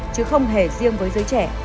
chứ không hề riêng với giới trẻ